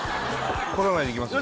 取らないでいきますか？